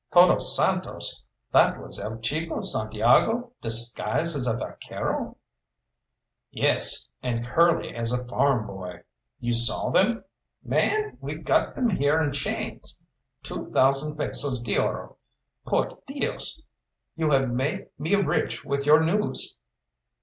"Todos Santos! That was El Chico Santiago disguised as a vaquero?" "Yes, and Curly as a farm boy you saw them?" "Man, we've got them here in chains! Two thousand pesos d'oro! Por Dios! You have made me rich with your news!"